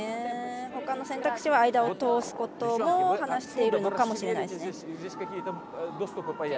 ほかの選択肢は間を通すことも話しているのかもしれないですね。